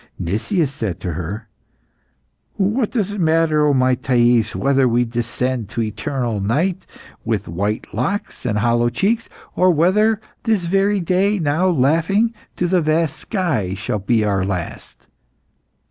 Nicias said to her "What does it matter, O my Thais, whether we descend to eternal night with white locks and hollow cheeks, or, whether this very day, now laughing to the vast sky, shall be our last?